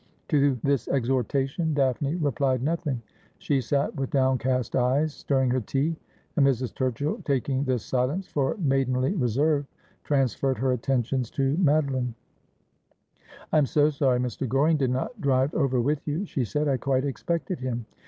To this exhortation Daphne replied nothing. She sat with downcast eyes, stirring her tea ; and Mrs. Turchill, taking this silence for maidenly reserve, transferred her attentions to Madoline. ' I am so sorry Mr. Goring did not drive over with you,' she said. ' I quite expected him.'